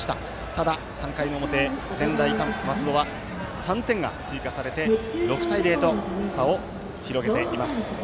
ただ、３回の表、専大松戸は３点が追加されて６対０と差を広げていきます。